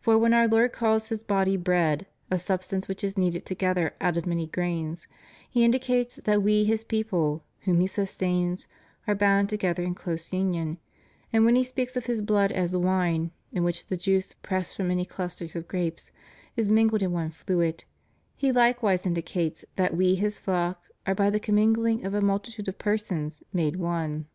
For when Our Lord calls His body bread, a substance which is kneaded together out of many grains, He indicates that we His people, whom He sustains, are bound together in close union; and when He speaks of His blood as wine, in which the juice pressed from many clusters of grapes is mingled in one fluid, He likewise indicates that we His flock are by the commingling of a multitude of persons made one."